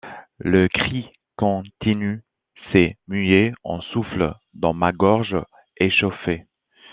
Le cri continu s'est mué en souffle dans ma gorge échauffée.